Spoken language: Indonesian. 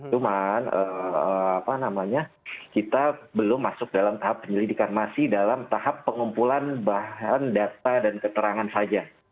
cuman kita belum masuk dalam tahap penyelidikan masih dalam tahap pengumpulan bahan data dan keterangan saja